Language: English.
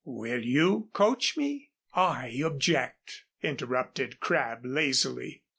"Will you coach me?" "I object," interrupted Crabb, lazily.